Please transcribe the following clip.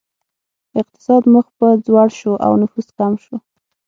اقتصاد مخ په ځوړ شو او نفوس کم شو.